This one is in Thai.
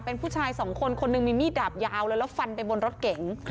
เป็นผู้ชายสองคนคนหนึ่งมีมีดดาบยาวเลยแล้วฟันไปบนรถเก๋ง